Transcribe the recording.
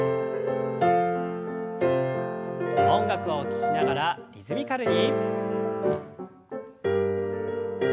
音楽を聞きながらリズミカルに。